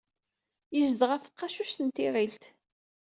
Yezdeɣ ɣef tqacuct n tiɣilt.